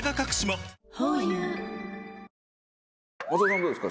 どうですか？